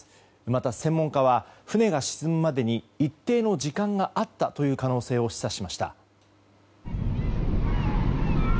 また、専門家は船が沈むまでに一定の時間があったという可能性を示唆しました。